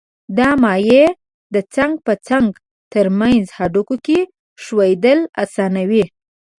دا مایع د څنګ په څنګ تر منځ هډوکو ښویېدل آسانوي.